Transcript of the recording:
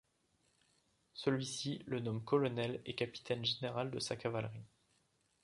Celui-ci le nomme colonel et capitaine général de sa cavalerie.